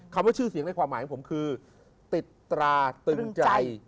คือติดตราตึงใจ